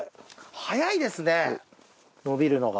早いですね伸びるのが。